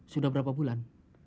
sudah berapa bulan